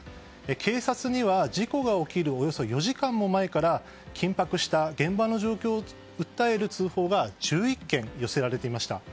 警察には事故が起きるおよそ４時間も前から緊迫した現場の状況を訴える通報が１１件寄せられていました。